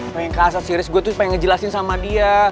pengen kasar sih riz gue tuh pengen ngejelasin sama dia